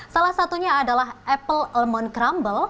salah satunya adalah apple elmon crumble